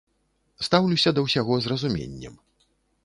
Стаўлюся да ўсяго, з разуменнем.